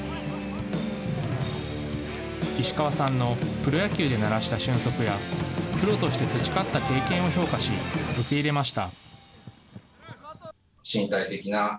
石川さんのプロ野球で慣らした俊足や、プロとして培った経験を評価し、受け入れました。